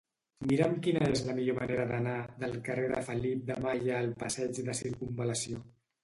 Mira'm quina és la millor manera d'anar del carrer de Felip de Malla al passeig de Circumval·lació.